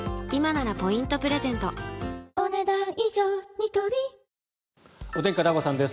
ニトリお天気、片岡さんです。